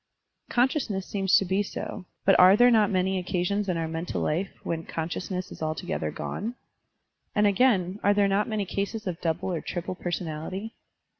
Consciousness seems to be so, but are there not many occasions in our mental life when consciousness is altogether gone? And, again, are there not many cases of double or triple personality?